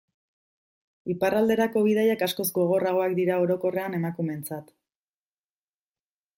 Iparralderako bidaiak askoz gogorragoak dira orokorrean emakumeentzat.